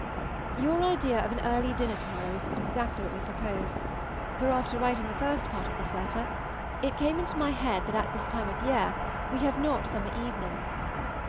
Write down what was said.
Your idea of an early dinner to morrow is exactly what we propose, for, after writing the first part of this letter, it came into my head that at this time of year we have not summer evenings.